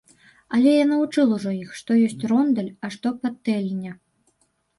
Але я навучыў ўжо іх, што ёсць рондаль, а што патэльня.